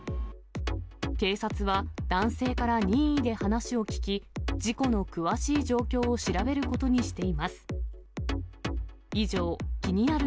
警察は、男性から任意で話を聴き、事故の詳しい状況を調べることにしています。